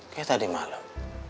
kayak tadi malam